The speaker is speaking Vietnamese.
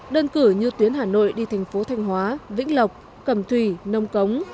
đơn cử như tuyến hà nội đi thành phố thanh hóa vĩnh lộc cầm thủy nông cống